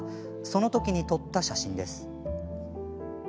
そのときに撮った写真です。